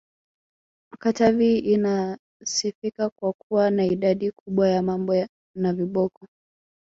Katavi inasifika kwa kuwa na idadi kubwa ya Mambo na voboko n